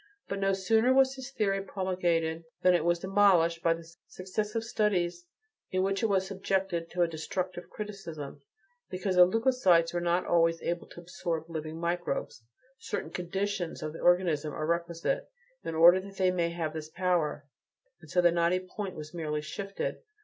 But no sooner was his theory promulgated than it was demolished by the successive studies in which it was subjected to a destructive criticism, because the leucocytes are not always able to absorb living microbes; certain "conditions" of the organism are requisite in order that they may have this power, and so the knotty point was merely shifted.